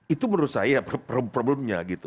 itu menurut saya problemnya gitu